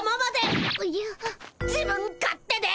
自分勝手で。